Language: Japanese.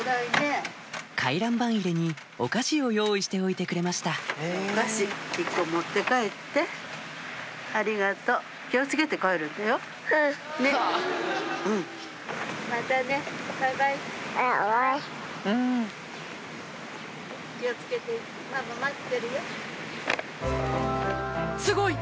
回覧板入れにお菓子を用意しておいてくれましたすごい！